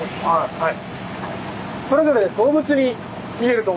はい。